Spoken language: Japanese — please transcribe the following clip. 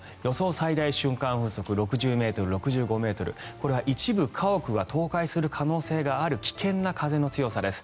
最大瞬間風速６０ｍ、６５ｍこれは一部家屋が倒壊する可能性がある危険な風の強さです。